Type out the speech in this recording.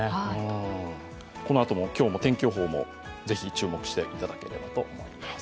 今日も天気予報もぜひ注目していただければと思います。